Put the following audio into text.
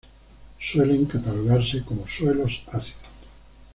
Suelen catalogarse como suelos ácidos.